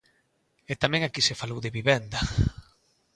E tamén aquí se falou de vivenda.